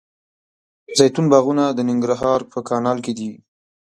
زیتون باغونه د ننګرهار په کانال کې دي.